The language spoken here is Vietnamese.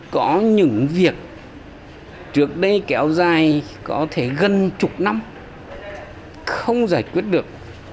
có những việc trước đây kéo dài có thể gần chục năm không giải quyết được